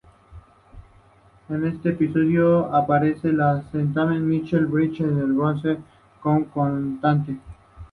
En este episodio aparece la cantante Michelle Branch en el Bronze como cantante.